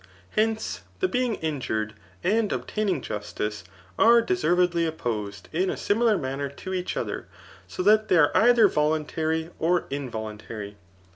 Hence, the being iiyured and obtaining justice, are deservedly opposed in a similar manner to each other, so that they are either voluntary or involuntary.